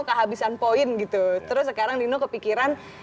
kehabisan poin gitu terus sekarang nino kepikiran idenya datang nino pengen kerja